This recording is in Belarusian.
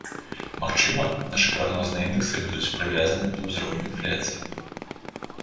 Магчыма, нашы прагнозныя індэксы будуць прывязаны да ўзроўню інфляцыі.